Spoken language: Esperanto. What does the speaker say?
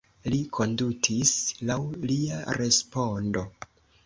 Li kondutis laŭ lia respondo.